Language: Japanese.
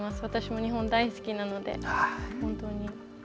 私も日本大好きなので。